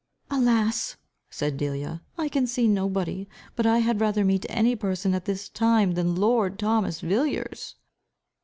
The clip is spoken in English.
"Alas," said Delia, "I can see nobody. But I had rather meet any person at this time, than lord Thomas Villiers."